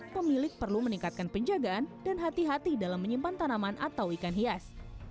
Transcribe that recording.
pemilik perlu meningkatkan penjagaan dan hati hati dalam menyimpan tanaman atau ikan hias